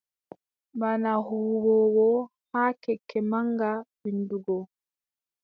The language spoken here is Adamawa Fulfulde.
Bana huwoowo haa keeke maŋga winndugo.